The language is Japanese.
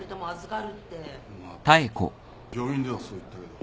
まあ病院ではそう言ったけど。